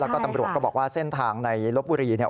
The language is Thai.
แล้วก็ตำรวจก็บอกว่าเส้นทางในลบบุรีเนี่ย